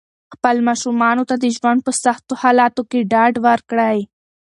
خپلو ماشومانو ته د ژوند په سختو حالاتو کې ډاډ ورکړئ.